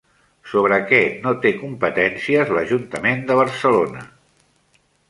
Sobre què no té competències l'Ajuntament de Barcelona?